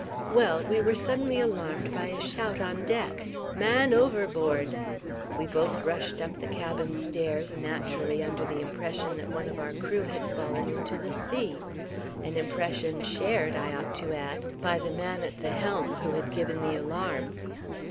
Well, we were suddenly alarmed by a shout on deck, 'Man over board!' We both rushed up the cabin stairs, naturally under the impression that one of our crew had fallen into the sea: an impression shared, I ought to add, by the man at the helm, who had given the alarm."